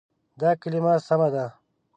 دا کلمه سمه ده.